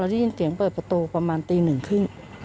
ได้ยินเสียงเปิดประตูประมาณตีหนึ่งครึ่ง